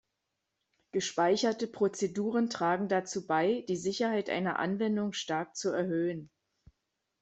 Gespeicherte Prozeduren tragen dazu bei, die Sicherheit einer Anwendung stark zu erhöhen.